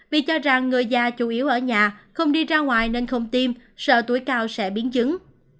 vì cho rằng người già chủ yếu ở nhà không đi ra ngoài nên không tiêm sợ tuổi cao sẽ biến chứng